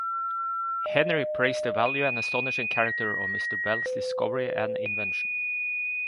Henry praised the value and astonishing character of Mr. Bell's discovery and invention.